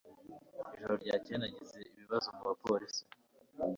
Ijoro ryakeye nagize ibibazo mubapolisi